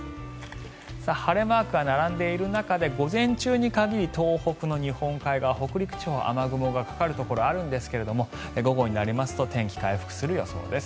晴れマークが並んでいる中で午前中に限り東北の日本海側、北陸地方雨雲がかかるところがあるんですが午後になりますと天気は回復する予想です。